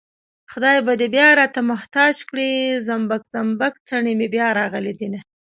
خدای به دې بيا راته محتاج کړي زومبک زومبک څڼې مې بيا راغلي دينه